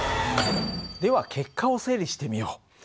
では結果を整理してみよう。